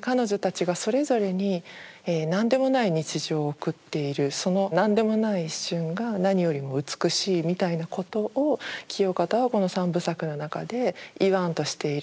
彼女たちがそれぞれに何でもない日常を送っているその何でもない一瞬が何よりも美しいみたいなことを清方はこの３部作の中で言わんとしている。